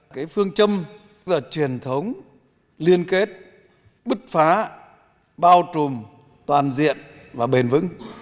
cái phương châm tức là truyền thống liên kết bứt phá bao trùm toàn diện và bền vững